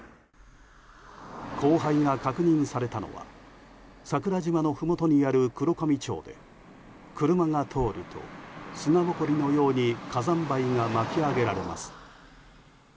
降灰が確認されたのは桜島のふもとにある黒神町で車が通ると、砂ぼこりのように火山灰が巻き上げられます。